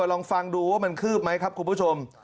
ลองฟังดูว่ามันคืบไหมครับคุณผู้ชม